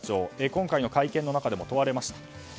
今回の会見の中でも問われました。